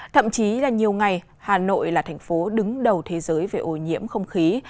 thậm chí là nhiều ngày hà nội là thành phố đứng đầu thế giới về ô nhiễm không khí